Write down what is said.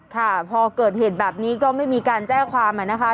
ค่ะพอเกิดเหตุแบบนี้ก็ไม่มีการแจ้งความนะคะ